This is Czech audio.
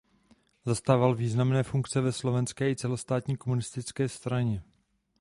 Zastával významné funkce ve slovenské i celostátní komunistické straně.